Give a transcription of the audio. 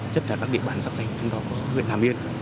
chấp nhận các địa bản sẵn sàng thành trong đó của huyện hà miên